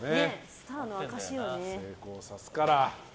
スターの証しよね。